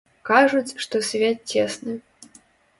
Кажуць, што свет цесны.